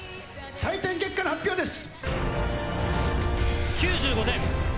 採点結果の発表です！